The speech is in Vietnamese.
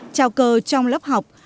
trao cơ trong lớp học